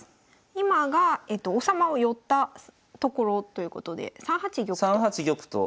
今が王様を寄ったところということで３八玉と。